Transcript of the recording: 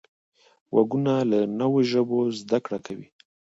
غوږونه له نوو ژبو زده کړه کوي